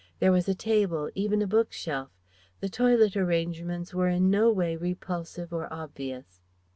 There was a table, even a book shelf. The toilet arrangements were in no way repulsive or obvious.